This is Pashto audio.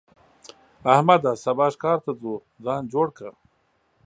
احمده! سبا ښکار ته ځو؛ ځان جوړ کړه.